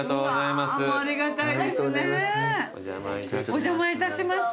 お邪魔いたします。